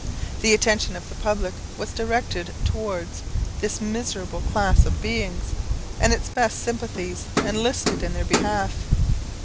The attention of the public was directed towards this miserable class of beings, and its best sympathies enlisted in their behalf.